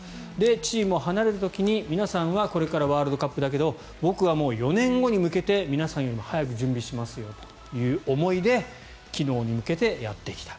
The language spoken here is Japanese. チームを離れた時に皆さんはこれからワールドカップだけど僕はもう４年後に向けて皆さんより早く準備しますよという思いで昨日に向けてやってきた。